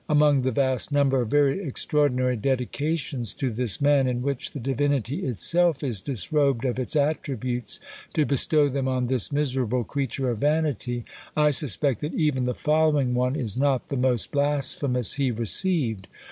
Among the vast number of very extraordinary dedications to this man, in which the Divinity itself is disrobed of its attributes to bestow them on this miserable creature of vanity, I suspect that even the following one is not the most blasphemous he received.